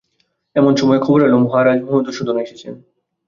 এমন সময়ে খবর এল, মহারাজ মধুসূদন এসেছেন।